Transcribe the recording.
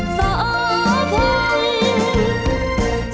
เสาพัง